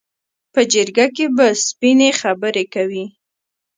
په جرګه کې به سپینې خبرې کوي.